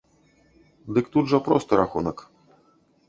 Дык тут жа просты рахунак.